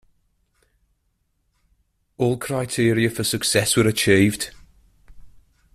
All criteria for success were achieved.